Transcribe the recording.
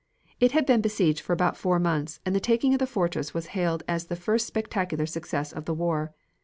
It had been besieged for about four months, and the taking of the fortress was hailed as the first spectacular success of the war.